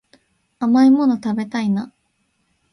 甘いもの食べたいな